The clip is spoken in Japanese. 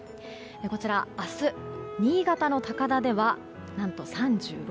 こちら明日、新潟の高田では何と３６度。